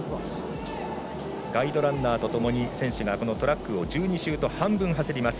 ガイドランナーとともに選手がトラックを１２周と半分走ります。